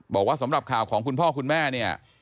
บอกว่าสำหรับข่าวของคุณพ่อคุณแม่เนี่ย